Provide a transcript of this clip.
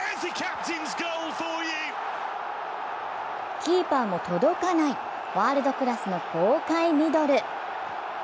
キーパーも届かないワールドクラスの豪快ミドル。